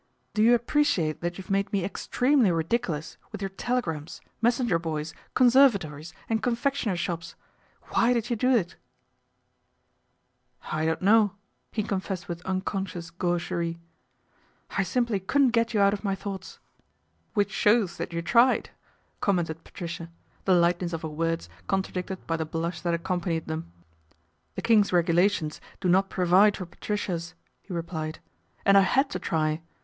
" Do you appreciate that you've made me extremely ridiculous with your telegrams, mes senger boys, conservatories, and confectioner's shops ? Why did you do it ?"" I don't know," he confessed with uncon scious gaucherie, " I simply couldn't get you out of my thoughts." " Which shows that you tried," commented Patricia, the lightness of her words contradicted by the blush that accompanied them. " The King's Regulations do not provide for Patricias," he replied, " and I had to try.